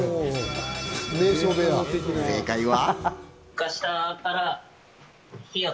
正解は。